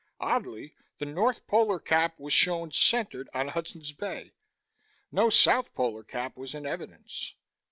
Oddly, the north polar cap was shown centered on Hudson's Bay. No south polar cap was in evidence.